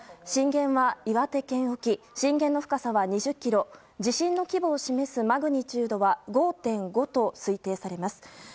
震源は岩手県沖震源の深さは２０ｋｍ地震の規模を示すマグニチュードは５．５と推定されます。